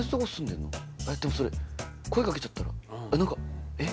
えっでもそれ声かけちゃったら何かえっ？